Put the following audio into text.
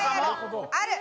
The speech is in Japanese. ある！